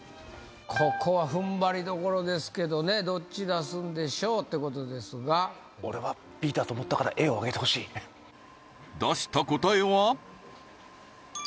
ここはふんばりどころですけどねどっち出すんでしょう？ってことですが俺はＢだと思ったから出した答えは？